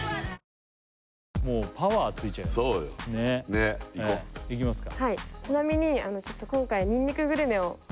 ねっいこういきますか？